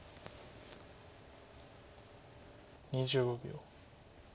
２５秒。